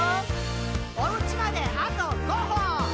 「おうちまであと５歩！」